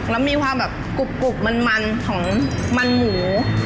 แล้วมีความแบบกรุบมันของมันหมู